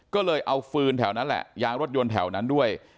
ก็เลยเอาฟืนแถวนั้นแหละยางรถยนต์แถวนั้นด้วย